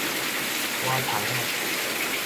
倚窗仔